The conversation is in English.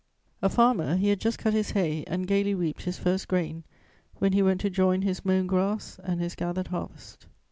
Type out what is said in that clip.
A farmer, he had just cut his hay and gaily reaped his first grain, when he went to join his mown grass and his gathered harvest.